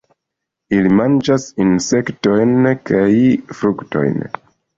Ili manĝas insektojn kaj fruktojn.